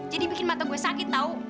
jadi bikin mata gue sakit tau